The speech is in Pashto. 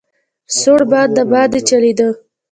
سوړ باد دباندې چلېده.